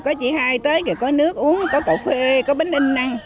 năm nay tới rồi có nước uống có cà phê có bánh in ăn